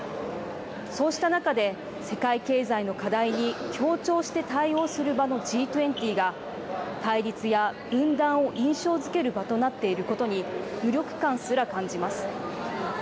そうした中で世界経済の課題に協調して対応する場のＧ２０が対立や分断を印象づける場となっていることに無力感すら感じます。